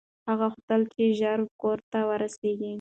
هغه غوښتل چې ژر کور ته ورسېږي.